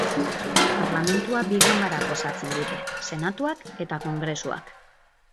Parlamentua bi ganbarak osatzen dute: Senatuak eta Kongresuak.